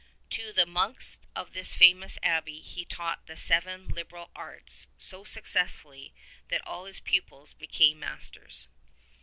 To the monks of this famous abbey he taught the seven liberal arts so successfully that all his pupils became masters.